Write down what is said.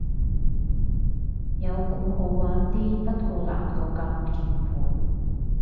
有鼓好玩啲，不過難過撳鍵盤